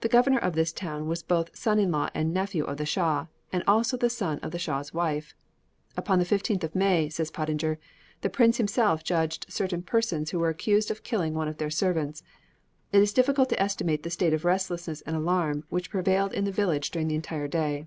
The governor of this town was both son in law and nephew of the shah, and also the son of the Shah's wife. "Upon the 15th of May," says Pottinger, "the prince himself judged certain persons who were accused of killing one of their servants. It is difficult to estimate the state of restlessness and alarm which prevailed in the village during the entire day.